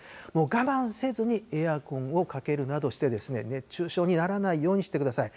我慢せずにエアコンをかけるなどして、熱中症にならないようにしてください。